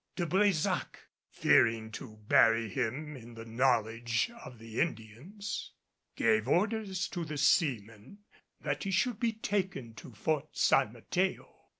De Brésac, fearing to bury him in the knowledge of the Indians, gave orders to the seamen that he should be taken to Fort San Mateo.